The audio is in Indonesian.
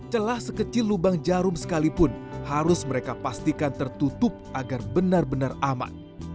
celah sekecil lubang jarum sekalipun harus mereka pastikan tertutup agar benar benar aman